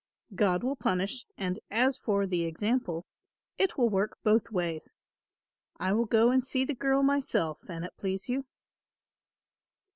God will punish, and, as for the example, it will work both ways. I will go and see the girl myself, an it please you."